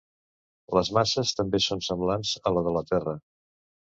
Les masses també són semblants a la de la Terra.